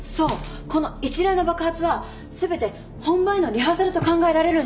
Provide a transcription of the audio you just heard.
この一連の爆発は全て本番へのリハーサルと考えられるんじゃないでしょうか？